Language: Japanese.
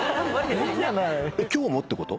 えっ今日もってこと？